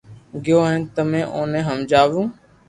گيو ھون تمي اووني ھمجاوو